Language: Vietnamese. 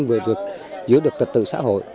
vừa giữ được trật tự xã hội